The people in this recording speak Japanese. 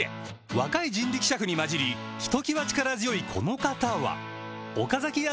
若い人力車夫に交じりひときわ力強いこの方は岡崎屋